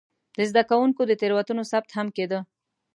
د زده کوونکو د تېروتنو ثبت هم کېده.